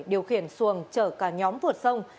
điều khiển xuồng chở cả nhóm vượt sông